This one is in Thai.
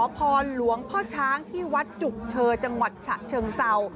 พรหลวงพ่อช้างที่วัดจุกเชอจังหวัดฉะเชิงเศร้า